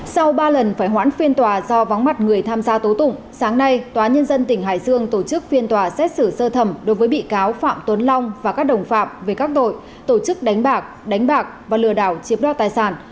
sau ba lần phải hoãn phiên tòa do vắng mặt người tham gia tố tụng sáng nay tòa nhân dân tỉnh hải dương tổ chức phiên tòa xét xử sơ thẩm đối với bị cáo phạm tuấn long và các đồng phạm về các tội tổ chức đánh bạc đánh bạc và lừa đảo chiếm đo tài sản